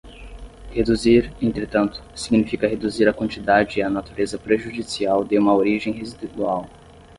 Reduzir, entretanto, significa reduzir a quantidade e a natureza prejudicial de uma origem residual.